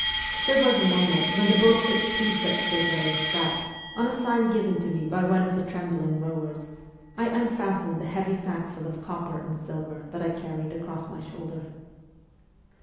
There was a moment when the boat shipped two such big waves that, on a sign given to me by one of the trembling rowers, I unfastened the heavy sackful of copper and silver that I carried across my shoulder.